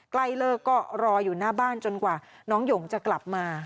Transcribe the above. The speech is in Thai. ใกล้เลิกก็รออยู่หน้าบ้านจนกว่าน้องหยงจะกลับมา